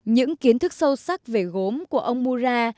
những kiến thức sâu sắc về gốm của ông mura